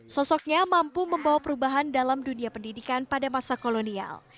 sosoknya mampu membawa perubahan dalam dunia pendidikan pada masa kolonial